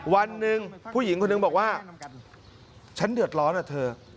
วันหนึ่งผู้หญิงคนหนึ่งบอกว่าฉันเดือดร้อนอ่ะเธอ